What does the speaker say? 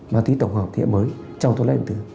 ma túy tổng hợp thế hệ mới trong thuốc lá điện tử